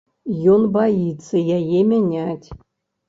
Ён баіцца яе мяняць.